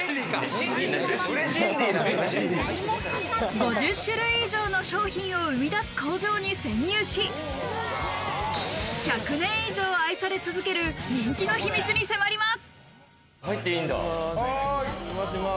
５０種類以上の商品を生み出す工場に潜入し、１００年以上愛され続ける人気の秘密に迫ります。